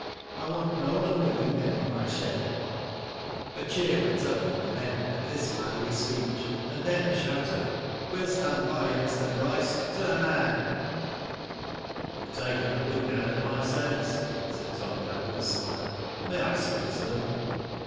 I want no unwilling men in my shed/* A cheer went up from the men at this manly speech, and then a shout of: "WeMl stand by you, Mr. Bryce, to a man.'* " You've taken the wind out of my sails," said Tom Dow, with a smile. "May I speak to them?"